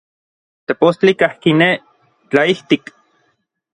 Tepostli kajki nej, tlaijtik.